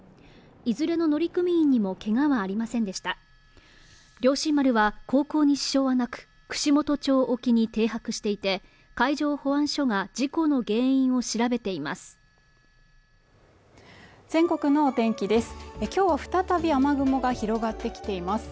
いずれの乗組員にもけがはありませんでした「菱心丸」は航行に支障はなく串本町沖に停泊していて海上保安署が事故の原因を調べています